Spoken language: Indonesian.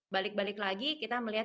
balik balik lagi kita melihat